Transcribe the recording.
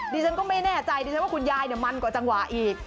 ดิฉันก็ไม่แน่ใจดิฉันว่าคุณยายมันกว่าจังหวะอีก